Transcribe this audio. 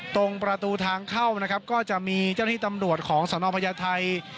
ตรงประตูทางเข้านะครับก็จะมีเจ้าหน้าที่ตำรวจของสนพญาไทย